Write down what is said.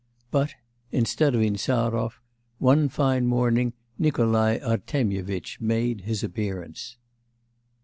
But instead of Insarov, one fine morning Nikolai Artemyevitch made his appearance.